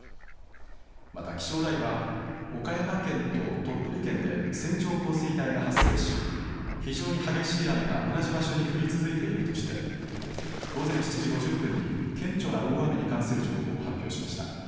また気象台は岡山県と鳥取県で線状降水帯が発生し非常に激しい雨が同じ場所に降り続いているとして午前７時５０分に顕著な大雨に関する情報を発表しました。